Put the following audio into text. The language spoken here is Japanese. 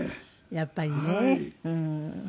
やっぱりね。